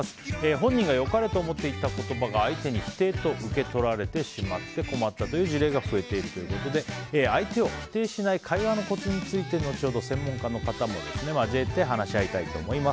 本人が良かれと思って言った言葉が相手に否定と受け取られてしまい困ったという事例が増えているということで相手を否定しない会話のコツについて後ほど専門家の方を交えて話し合いたいと思います。